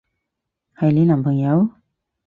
係你男朋友？